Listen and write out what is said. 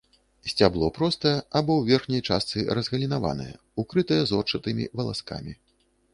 Сцябло простае або ў верхняй частцы разгалінаванае, укрытае зорчатымі валаскамі.